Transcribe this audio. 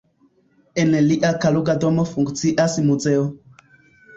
En lia Kaluga domo funkcias muzeo.